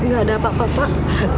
nggak ada apa apa pak